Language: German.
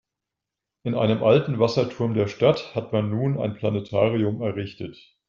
In einem alten Wasserturm der Stadt hat man nun ein Planetarium errichtet.